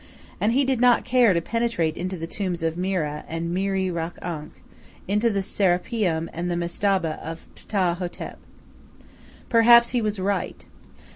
And he did not care to penetrate into the tombs of Mera and Meri Ra ankh, into the Serapeum and the Mestaba of Ptah hotep. Perhaps he was right.